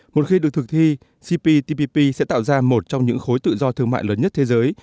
một khi được thực thi cptpp sẽ tạo ra một trong những khối tự do thương mại lớn nhất thế giới